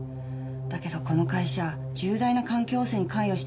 だけどこの会社重大な環境汚染に関与してる疑いがあって。